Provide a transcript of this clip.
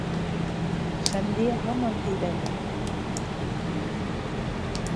Хәмдиә һаман һөйләне.